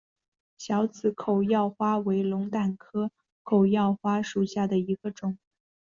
小籽口药花为龙胆科口药花属下的一个种。